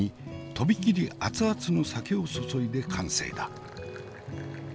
飛び切り熱々の酒を注いで完成だ。